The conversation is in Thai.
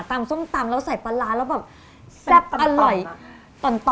ตำส้มตำแล้วใส่ปลาร้าแล้วแบบ